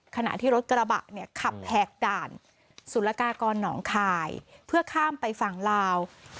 ขณะที่รถกระบะเนี่ยขับแหกด่านสุรกากรหนองคายเพื่อข้ามไปฝั่งลาว